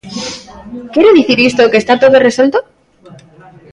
¿Quere dicir isto que está todo resolto?